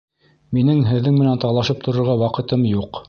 Минең һеҙҙең менән талашып торорға ваҡытым юҡ!